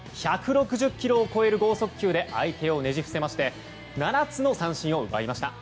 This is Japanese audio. １６０キロを超える剛速球で相手をねじ伏せまして７つの三振を奪いました。